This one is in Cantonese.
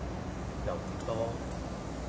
油占多